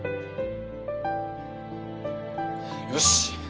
よし。